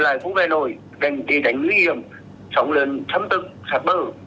đành tì đánh nguy hiểm trọng lượng chấm tự sát bờ